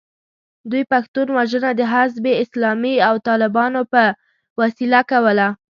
دوی پښتون وژنه د حزب اسلامي او طالبانو په وسیله کوله.